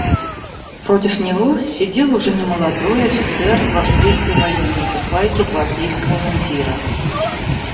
Против него сидел уже немолодой офицер в австрийской военной фуфайке гвардейского мундира.